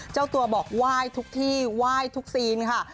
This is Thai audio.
เจ้าตัวบอกไหว้ทุกที่ไหว้ทุกซีนค่ะ